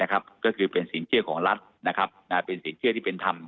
ก็คือเป็นสินเชื่อของรัฐเป็นสินเชื่อที่เป็นธรรม